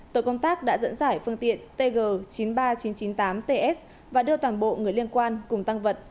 tổ công tác đã dẫn giải phương tiện tg chín nghìn ba trăm chín mươi chín tám ts và đưa toàn bộ người liên quan cùng tăng vật